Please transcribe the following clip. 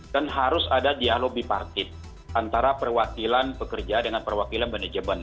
dan harus ada dialog bipartit antara perwakilan pekerja dengan perwakilan manajemen